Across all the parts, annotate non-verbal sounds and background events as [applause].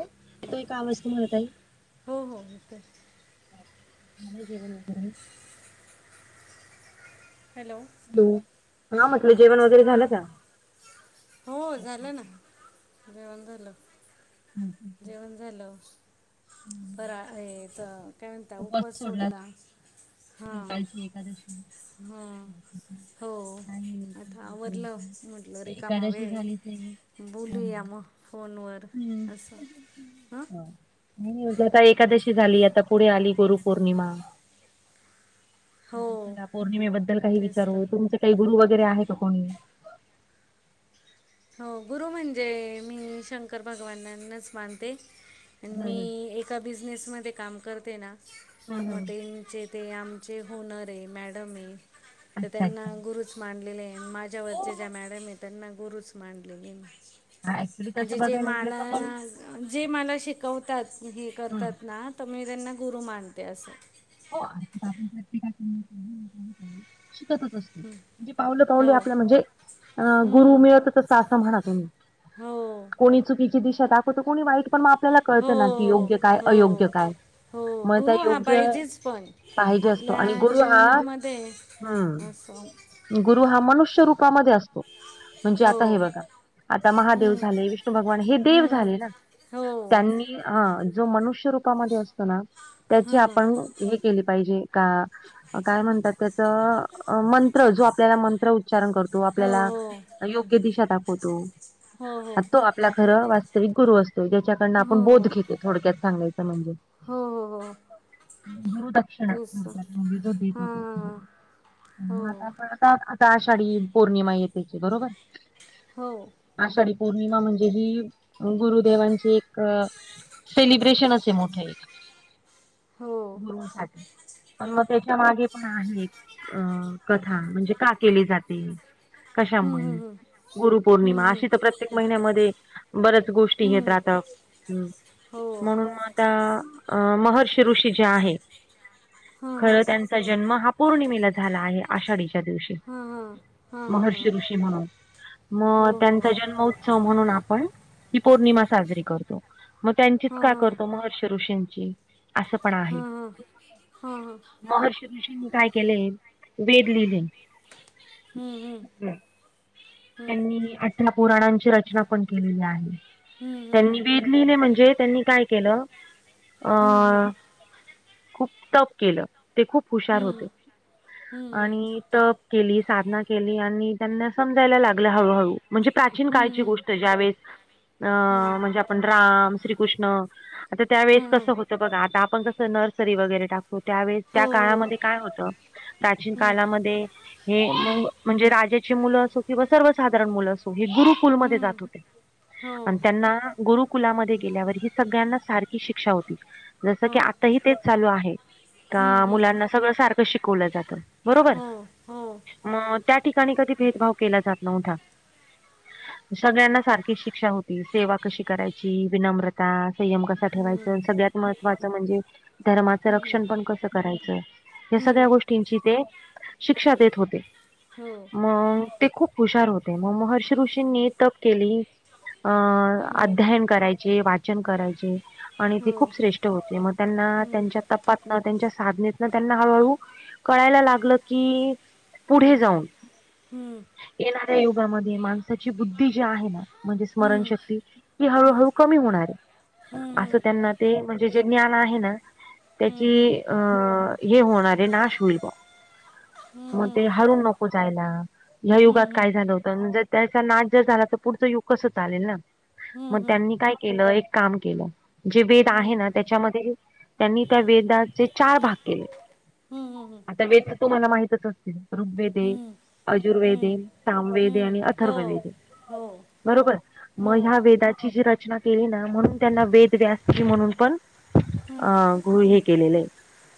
येतोय का आवाज तुम्हालाताई? हो हो येतोय झालं जेवण वगैरे हॅलो! हॅलो!.. हा म्हटलं जेवण वगैरे हां झाल का? हो झालं ना. जेवण झालं. जेवण झालं. फराळ, ये.. ह्याचं काय म्हणता उपवास सोडला. कालची एकादशी हा.. हो.. काय आता आवरलं, नाही म्हटलं रिकामा एकादशी वेळय झाली ते बोलूया मग.. फोनवर हम्म असं, ह हो. आता एकादशी झाली आता पुढे आली गुरु पौर्णिमा हो चला, पौर्णिमेबद्दल काही तेच तर विचारू.. तुमचे काही गुरु वगैरे आहे का कोणी? हो, गुरु म्हणजे.. मी शंकर भगवाननाच मानते आणि हम्म मी हम्म एक ज्या बिझनेसमध्ये काम करते ना हम्म मग.. हम्म त्यां.. चेच ते आमचे ओनरे आहे मॅडमय.. तर अच्छा अच्छा त्यांना गुरुच मानलेलेय माझ्यावरच्या ज्या मॅडम आहे त्यांना गुरुच माणले मी हा ऍक्च्युली तसं म्हणजे जे बघायला गेलं माला... तर मग ज.. जे मला शिकवतात.. हे हम्म करतात ना तर मी त्यांना गुरु मानते असं. हो, आपण प्रत्येकाच्या [inaudible] शिकतच असतो. जे पावलो -पावली हो आपल्या म्हणजे अ.. गुरु हम्म. मिळतच अस असं म्हणा तुम्ही.. हो कोणी चुकीची दिशा दाखवत कोणी वाईट पण आप.. आपल्याला कळतं ना की हो योग्य काय अयोग्य हो काय हो मग त्या गुरु हा योग्य पाहिजेच पण पाहिजे असतो आणि आपल्या गुरु हा.. जीवनामध्ये असं हम् गुरु हा मनुष्य रूपामध्ये असतो, म्हणजे हो आता हे बघा आता महादेव हम्म, झाले, विष्णू भगवान हे देव हम्म, झाले ना. हो त्यांनी हा.. जो मनुष्य रूपामध्ये असतो ना, त्याची हम्म, आपण हे केली पाहिजे का? काय म्हणतात त्याचं अ.. मंत्र जो आपल्याला मंत्र उच्चारण करतो, हो आपल्याला योग्य दिशा दाखवतो.. हो हो हो तो आपला खरं वास्तविक गुरु असतो, ज्याच्याकडनं आपण बोध घेतो थोडक्यात सांगायचं म्हणजे हो.. ओ.. गुरु दक्षिणा.. थोडक्यात म्हणजे जो देत तो.. हां हो मग आता पण आता.. आता आषाढी.. पौर्णिमा येते की बरोबर हो--ओ.. आषाढी पौर्णिमा म्हणजे ही.. गुरुदेवांची एक सेलिब्रेशनच आहे मोठं एक हो.. झाले. मग त्याच्या मागे पण आहे एक हृ.. कथा म्हणजे का केली जाते? हम्म, कशामुळे? हम्म, गुरुपौर्णिमा, हम्म, हम्म, अशी तर प्रत्येक महिन्यामध्ये बऱ्याच गोष्टी येत हम्म, राहतं. हम्म. हो म्हणून म आता अ महर्षी ऋषी जे आहे. हां हां खरं त्यांचा जन्म हा पौर्णिमेला झाला आहे. आषाढीच्या दिवशी हां हां हां हां हां महर्षी ऋषी म्हणून. हो म हो त्यांचा हो जन्म ऊत्सव म्हणून आपण, ही पौर्णिमा साजरी करतो. म त्यांचीच हां का हां करतो महर्ष ऋषींची? असं पण हां आहे. हां हां हां महर्षी ऋषींनी काय केले? वेद लिहिले. हो हो हो त्यांनी अठरा पुराणांची रचना पण केलेली आहे. त्यांनी वेद लिहिले म्हणजे, त्यांनी काय केलं, अ खूप तप केलं. ते खूप हुशार होते. आणि तप केली, साधना केली आणि त्यांना समजायला लाग हळूहळू म्हणजे प्राचीन काळची गोष्टय ज्यावेळेस अं म्हणजे आपण राम श्रीकृष्ण आता त्यावेेळेस कसं होतं बघा, आता आपण कसं नर्सरी वगैरे टाकतो. त्यावेेळेस त्या काळामध्ये काय होतं? प्राचीन काळामध्ये, हे मंग म्हणजे राजाची मुलं असो कींवा सर्वसाधारण मुलं असो हे गुरुकुल मध्ये जात होते. अन त्यांना गुरुकुलामध्ये गेल्यावर ही सगळ्यांना सारखी शिक्षा होती. जसं की आता ही तेच चालू आहे. का मुलांना सगळं सारखं शिकवलं जातं, बरोबर. म त्या ठिकाणी कधी भेदभाव केला जात नव्हता. [inaudible] सगळ्यांना सारखीच् शिक्षा होती. सेवा कशी करायची, विनम्रता, संयम कसा ठेवायच् सगळ्यात महत्त्वाचं म्हणजे, धर्माचं रक्षण पण कसं करायचं. ह्या सगळ्या गोष्टींची ते शिक्षा देत होते. मंग ते खूप हुशार होते. म महर्षी ऋषींनी तप केली अं अध्यायन करायचे, वाचन करायचे. आणि ते खूप श्रेष्ठ होते. म त्यांना त्यांच्या तपातनं त्यांच्या साधनेतनं त्यांना हळूहळू कळायला लागलं की पुढे जाऊन हुं. येणाऱ्या युगामध्ये माणसाची बुद्धी जी आहे ना, म्हणजे स्मरणशक्ती ती हळूहळू कमी होणारे. असं त्यांना ते म्हणजे जे ज्ञान आहे ना त्याची अ हे होणारे, नाश होईल ब्वा म ते हरून नको जायला. ह्या युगात काय झालं होतं, म्हणजे त्याचा नाश जर झाला तर पुढचं युग कसं चालेल ना. म त्यांनी काय केलं, एक काम केलं, जे वेद आहे ना त्याच्यामध्ये त्यांनी त्या वेदाचे चार भाग केले. आता वेद त तुम्हाला माहितच असतील. ऋग्वेदे, अजुर्वेद सामवेद ए अणि अथर्ववेद ए, बरोबर. म हो ह्या वेदाची जी रचना केली ना म्हणून त्यांना वेद व्यासजी म्हणून पण हां अं गृह्य केलेलें.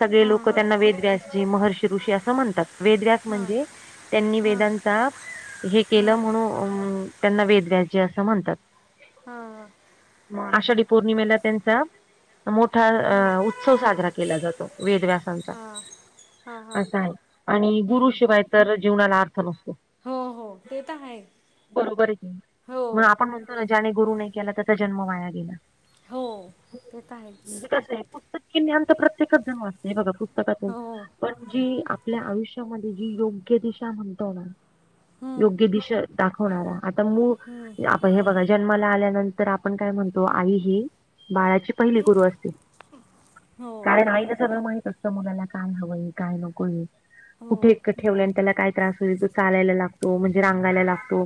सगळे लोकं हां त्यांना वेद व्यासजी, महर्षी ऋषी असं म्हणतात. वेदव्यास हां म्हणजे त्यांनी हां वेदांत चा, हे केलं हां म्हणू उम्म त्यांना वेद व्यासजी असं म्हणतात. हा आ. म आषाढी पौर्णिमेला त्यांचा मोठा अ हां उत्सव साजरा केला जातो. वेदव्यासांचा हा हा. असा आहे. आणि गुरु शिवाय तर जीवनाला अर्थ नसतो. हो हो ते तर आहे. बरोबर ये हो मग आपण म्हणतो ना ज्याने गुरु नाय केला त्याचा जन्म वाया गेला. हो ते तर आहेच ते कसं ये पुस्तकी ज्ञान तर प्रत्येक जण जमवतोय पुस्तकातून. हो पणजी आपल्या आयुष्यामध्ये ही योग्य दिशा म्हणतो आपण. हम्म, योग्य दिशा दाखवणारा आता म़ हम्म, आत्ता हे बघा जन्माला आल्यानंतर आपण काय म्हणतो आई ही. बाळाची पहिली गुरु असते. हो कारण आईला सगळं माहित असतं मुलाला काय हवं ए काय नको ये. हो कुठे इतकं ठेवल्याने त्याला काय त्रास होईल जो. चालायला लागतो म्हणजे रांगायला लागतो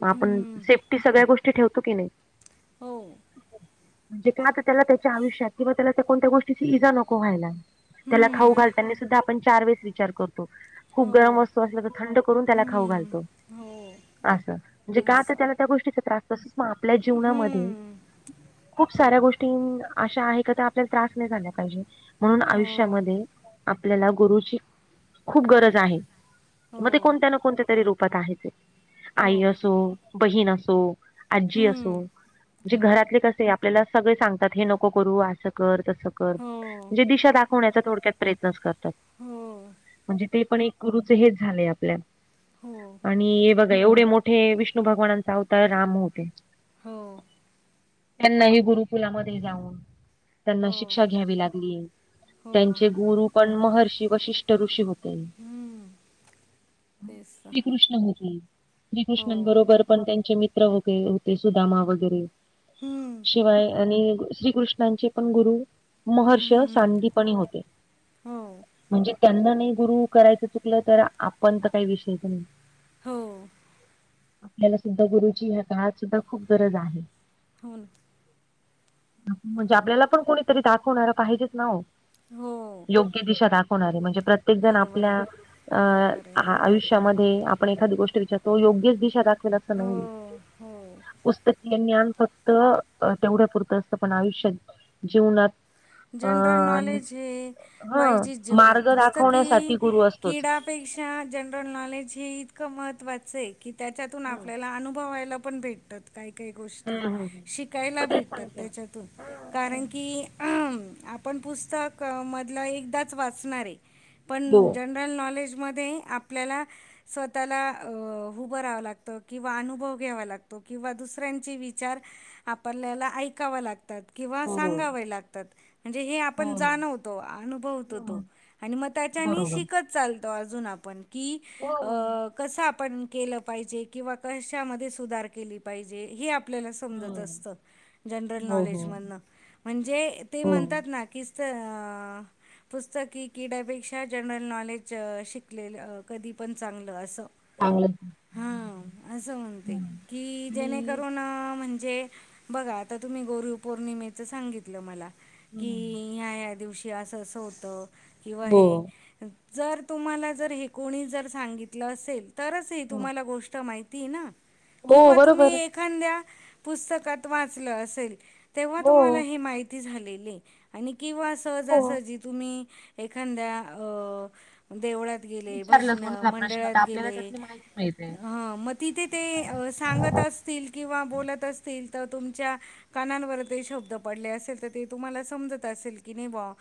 मग आपण हम्म, सेफ्टी सगळ्या गोष्टी ठेवतो का नाही. हो. तिथं ना आता त्याला त्याच्या आयुष्याची व कोणत्याही गोष्टीची इजा नको बाईला. त्याला हम्म, खाऊ घालताना सुद्धा आपण चार वेळेस विचार करतो खूप हो गरम वस्तू असलं तर थंड. करून त्याला खाऊ हम्म, घालतो हो त्या असं गोष्टीत गोष्टीचा त्रास असतो ना आपल्या जीवनामध्ये हम्म, खूप साऱ्या गोष्टी अशा आहे का त्या आपल्याला त्रास नाही झाला पाहिजे. म्हणून हो आयुष्यामध्ये आपल्याला गुरुजी खूप गरज आहे. हो मग ते कोणत्या न कोणत्या तरी रूपात आहे ते हो आई असो. बहीण असो आजी असो. हम्म, म्हणजे हो घरातले कसे आपल्याला सगळं सांगतात हे नको करू असं कर तसं कर हो म्हणजे दिशा दाखवण्याचा थोडक्यात प्रयत्नच करतात. हो म्हणजे ते पण एक गुरुचं हेच झालंय आप हो लेफ्ट आणि बघा एवढ्या मोठ्या विष्णू भगवानाचे अवतार राम होते. हो. त्यांनाही गुरु कुलामध्ये लाभो हो त्यांना हो शिक्षा घ्यावी लागली. हो त्यांचे गुरु पण महा श्री वशिष्ठ ऋषी होते. हम्म तेच तर. श्री कृष्ण होती. हो श्रीकृष्णांबरोबर पण त्यांचे मित्र होते सुदामा वगैरे. हम्म, शिवाय आणि ही गोष्ट आमचे पण गुरु. महर्ष हम्म, सांगी पणे होते. हो म्हणजे त्यांना नाय गुरू करायचं चुकलं तर आपण कोणता काही विषयच नाही. हो त्याला सुद्धा गुरुची आता आज सुद्धा खूप गरज आहे. भु म्हणजे आपल्याला पण कोणीतरी दाखवणारा पाहिजे न घेता च नाव. वो योग्य दिशा दाखवणारे म्हणजे प्रत्येक जण बरोबर आपल्या आहे अ बरोबर आहे आ- आयुष्यामध्ये आपण एखादी गोष्ट विचारतो योग्यच दिशा दाखव. केलं का नाही हो हो पुस्तकी ज्ञान फक्त. त क तेवढ्यापुरतं असतं पण आयुष्यात जीवनात अ जनरल नॉलेज हे ह पाहिजेच जीवनात मार्ग पुस्तकी दाखवण्यासाठी गुरु असतोच. किडाके. पेक्षा जनरल नॉलेज हे इतकं महत्त्वाचं ए की त्याच्यातून हा आपल्याला अनुभवायला पण भेटतात. काही काही हा गोष्टी हा हा. शिकायला मग तेच भेटतात सांगते ना त्याच्यातून. हा. हा. अ ह आपण पुस्तक मधलं एकदाच वाचणार आहे पण हो जन ड्रोन नॉलेज मध्ये आपल्याला. स्वतःला अ उभा राहावं लागतं किंवा अनुभव घ्यावा लागतो किंवा दुसऱ्यांचे विचार आपल्याला ऐकाव लागतात किंवा हो हो सांगावं लाग तात म्हणजे हे हो आपण हो. जाणवतो अनुभवतो तो हम्म. आणि मग त्याच्या बरोबर. शिकत. चालतो अजून आपण की हो कस आपण केलं पाहिजे किंवा कशामध्ये सुधार केली पाहिजे हे आप पल्याला समजत हम्म. असतं जनरल हो हो नॉलेज मधून म्हणजे ते हो म्हणतात. ना किसत अ पुस्तकी किड्यापेक्षा जनरल नॉलेज.. शिकलेलं कधी पण चांगलं असं चांगलं हा हम्म. असं म्हणते की आणि जेणेकरून म्हणजे बघा आता तुम्ही गुरु पौर्णिमेचं सांगितलं मला की हम्म. ह्या ह्या दिवशी असं असं होतं किंवा हो हे. जर तुम्हाला जर हे कोणी जर सांगितलं असेल तरच ते हो तुम्हाला गोष्ट माहितीये ना हो, किंवा तुम्ही बरोबर एक ते. खांद्या पुस्तकात वाचलं असेल तेव्हा हो तुम्हाला ही माहिती झाली. केले आणि तेव्हाअसं हो. जसं जीत तुम्ही एखाद्या अ देवळात. गेले विचारलं भजन कोणाला प्रश्न तर मंडळात आपल्याला गेले त्यातली माहिती मिळते हा मग तिथे ते. सांगत असतील. किंवा बोलत असतील तर तुमच्या कानांवर ते शब्द पडले असेल तर ते. तुम्हाला समजत असेल की नाही बा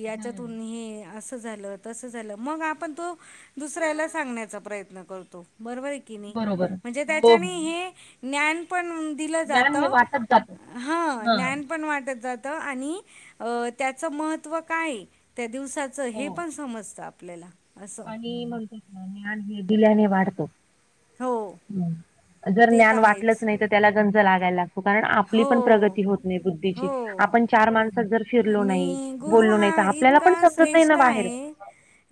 हम्म याच्यातून हे असं झालं. तसं झालं मग आपण तो.. दुसऱ्याला सांगण्याचा प्रयत्न करतो बरोबर की नाही बरोबर. म्हणजे हो हो त्याच्याने हे ज्ञान पण. दिला ज्ञान हे जातो वाटत जात हा ह ज्ञान. पण वाट जात आणि त्याच महत्व काय त्या दिवसात. छ हो हे पण समजतं आपल्याला असं. कि म्हणतात ना.. ज्ञान हे दिल्याने वाढतं. हो. जर ते तर ज्ञान वाटलंच आहेच नाही तर त्याला गंज लागायला लागतो कारण आपली हो पण. प्रगती होत नाही बुद्धीची.. हो आपण चार माणसात जर फिरलो आणि... नाही गुरु बोललो नाही हा तर आपल्याला इतका पण समजत नाही ना श्रेष्ठ आहे.. बाहेर ये...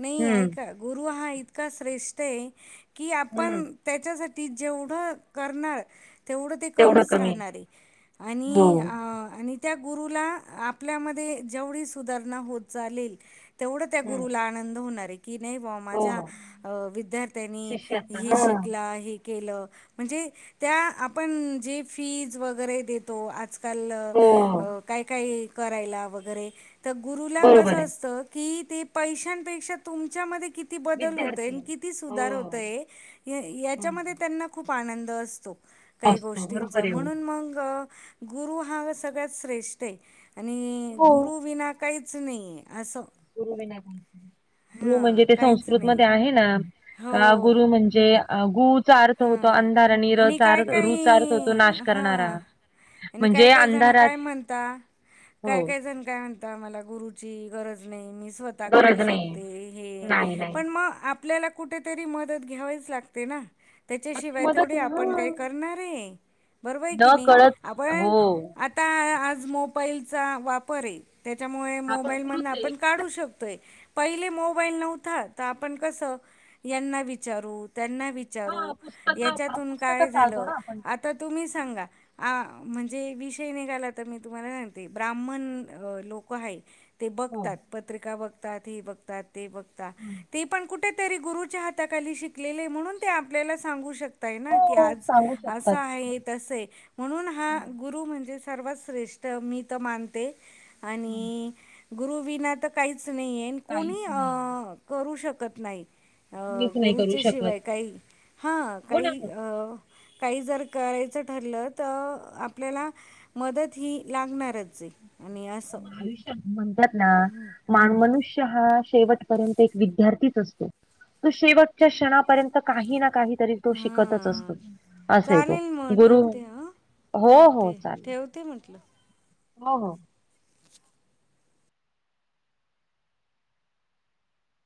नाही हम्म ऐका. गुरु हा इतका श्रेष्ठ आहे की हम्म आपण त्याच्यासाठी जेवढं करणार. तेवढं ते कमीच राहणार आहे हो आणि आणि त्या गुरुला आप आपल्यामध्ये जेवढी सुधारणा होत चालेल तेवढं त्या हम्म गुरुला आनंद होणार आहे. कि नाही बा.. माझ्या हो अ.. विद्यार्थ्यांनी शिष्याचा ही हा शिकला आहे. केलं म्हणजे त्या आपण जे फीज वगैरे देतो आ आजकाल हो हो काय काय करायला वगैरे तर गुरुला बरोबर कसं आहे असतं. कि ते पैशांपेक्षा तुमच्यामध्ये किती किती बदल होतय विद्यार्थी किती सुधार हो होतय हम्म याच्यामध्ये त्यांना. खूप आनंद असतो काही असतो बरोबर गोष्टींचा आहे हो म्हणून मग. गुरु हा सगळ्यात श्रेष्ठ आणि हो गुरु विना काहीच नाही असं.. गुरु विना काही नाही ुु गुरु म्हणजे हां ते काहीच संस्कृत नाही मध्ये आहे. हो गुरु म्हणजे गु चा अर्थ हा होतो अंधार आणि र काय चार रू चा अर्थ होतो काही नाश हा करणारा. आणि काय म्हणजे काय जण अंधारात काय म्हणता काय हो काय. काय म्हणता मला गुरुची गरज नाही मी स्वः ता करू गरज नाही शकते हे नाही नाही पण मग आप आपल्याला कुठेतरी मदत घ्यावीच लागते ना. मग ते त्याच्याशिवाय मदत थोडी आपण हा काही करणारय... बरोबर आहे की न नाही, कळत हो आपण आता आ.. आज मोबाईलचा वापर अय. त्याच्यामुळे हा पण मोबाईल मदन गुरुच आहे आपण काढू शकतोय. पहिले मोबाईल नव्हता, तर आपण कसं.. यांना विचारू त्यांना हा विचारू. पुस्तक याच्यातून पुस्तक काय चाळतो झालं.. ना आपण आता तुम्ही सांगा? आ म्हणजे विषय निघाला तर मी तुम्हाला सांगते ब्राह्मण लोक हाय ते हो बघतात... पत्रिका बघतात.. हे बघतात... ते बघतात ते पण कुठ. तरी गुरूच्या हाताखाली शिकलेले म्हणून शिक आपल्याला सांगू शकताय ना.. कि हो आज सांगू असं शकतात आहे.. तसंय. म्हणून हां गुरु म्हणजे सर्वात श्रेष्ठ मी तर मानते आणि गुरुविना तर काहीच नाहीये काहीच कोणी अ.. नाही करू शकत नाही. ह.. मीच नाही करू गुरुच्या शिवाय शकत काही हा हो ना काही अ.. काही जर करायच ठरल तर आपल्याला मदत ही लागणारचय आणि असं आयुष्यात म्हणतात ना.. मा... मनुष्य हा शेवट परंतु विद्यार्थी एक असतो शेवट क्षणापर्यंत काही ना काही तरी तो शिकतच असतो.. हां अस आहे तो.. चालेल मग गुरु, ठेवते हो.. हो.. चालेल. ते म्हटलं. हो.. हो...